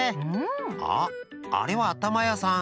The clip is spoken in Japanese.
あああれはあたまやさん。